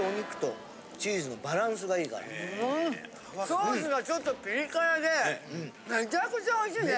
ソースがちょっとピリ辛でめちゃくちゃおいしいね！